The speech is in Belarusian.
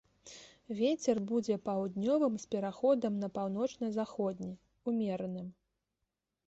Вецер будзе паўднёвым з пераходам на паўночна-заходні, умераным.